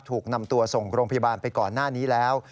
ถูกนำตัวส่งโรงพยาบาลไปก่อนหน้านี้แล้ว